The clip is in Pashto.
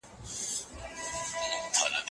آیا ګاونډی تر لیري خپلوانو نږدې دي؟